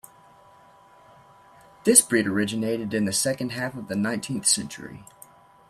This breed originated in the second half of the nineteenth century.